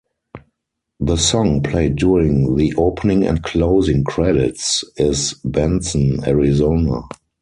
The song played during the opening and closing credits is Benson, Arizona.